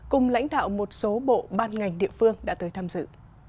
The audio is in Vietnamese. cùng lãnh đạo một số bộ ban ngành địa phương đã tới tham dự